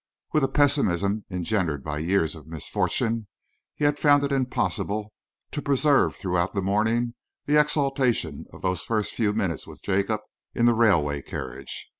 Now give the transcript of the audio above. With a pessimism engendered by years of misfortune, he had found it impossible to preserve throughout the morning the exultation of those first few minutes with Jacob in the railway carriage.